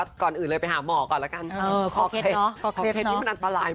สู้เลยเอาให้สุด